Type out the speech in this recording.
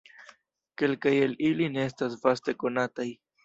Kelkaj el ili ne estas vaste konataj.